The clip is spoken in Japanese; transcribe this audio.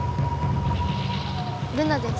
ルナです。